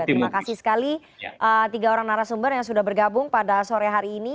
terima kasih sekali tiga orang narasumber yang sudah bergabung pada sore hari ini